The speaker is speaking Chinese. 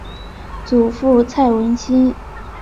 祖父蔡文兴。